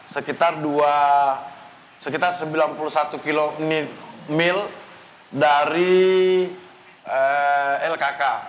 sekitar sembilan puluh satu km dari lkk